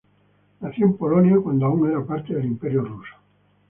Nació en Polonia cuando aún era parte del Imperio ruso.